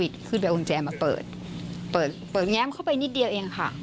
กับลูกบิชขึ้นไปองค์แจมอเติบเห็นเนี่ยเข้าไปนิดเดียวเข้าไปค่ะ